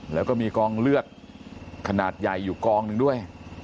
แล้วก็มีกองเลือดขนาดใหญ่อยู่กองหนึ่งด้วย